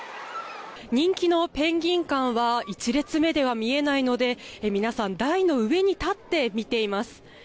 人気のペンギン館は１列目では見えないので皆さん台の上に立って、見ています。